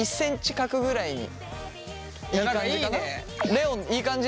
レオンいい感じ？